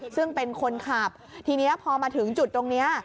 ซึ่งเป็นคนขับทีนี้พอมาถึงจุดตรงนี้